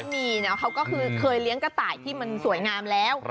มีนะเขาก็คือเคยเลี้ยงกระต่ายที่มันสวยงามแล้ว